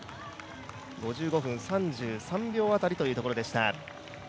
５５分３３秒辺りというところでした。